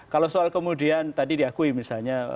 kalau soal kemudian tadi diakui misalnya